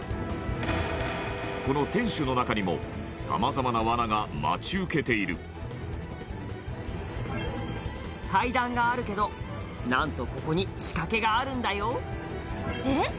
この天守の中にもさまざまな罠が待ち受けている階段があるけどなんとここに仕掛けがあるんだよえっ？